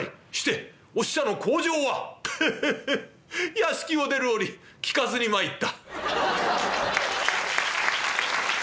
屋敷を出る折聞かずに参った」。